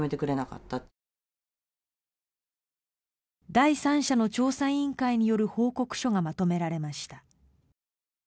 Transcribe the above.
第三者の調査委員会による報告書がまとめられました。